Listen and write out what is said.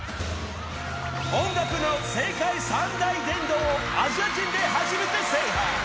音楽の世界三大殿堂をアジア人で初めて制覇。